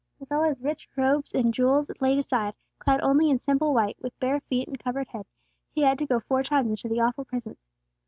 With all his rich robes and jewels laid aside, clad only in simple white, with bare feet and covered head, he had to go four times into the awful Presence.